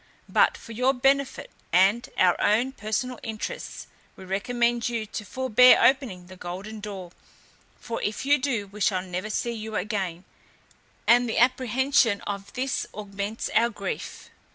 But for your benefit, and our own personal interests, we recommend you to forbear opening the golden door; for if you do we shall never see you again; and the apprehension of this augments our grief.